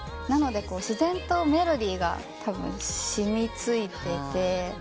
なので自然とメロディーが染み付いてて。